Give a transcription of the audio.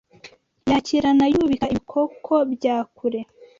Yakirana yubika Ibikoko bya kure